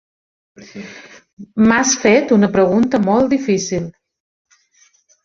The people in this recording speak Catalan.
M'has fet una pregunta molt difícil.